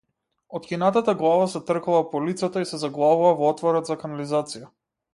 Откинатата глава се тркала по улицата и се заглавува во отворот за канализација.